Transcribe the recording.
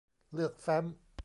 เลือกแฟ้ม